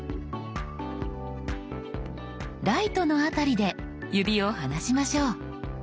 「ライト」の辺りで指を離しましょう。